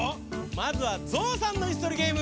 まずはゾウさんのいすとりゲーム。